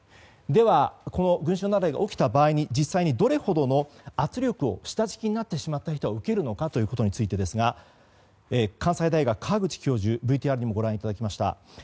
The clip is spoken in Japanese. ではこの群衆雪崩が起きた場合に実際にどれほどの圧力を下敷きになってしまった人は受けるのかということについてですが関西大学、川口教授ＶＴＲでもご覧いただきました。